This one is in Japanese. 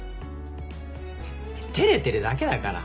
照れてるだけだから。